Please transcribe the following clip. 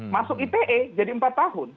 masuk ite jadi empat tahun